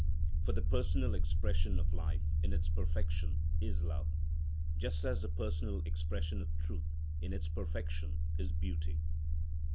For the personal expression of life, in its perfection, is love; just as the personal expression of truth in its perfection is beauty.